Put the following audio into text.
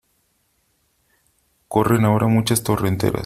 corren ahora muchas torrenteras .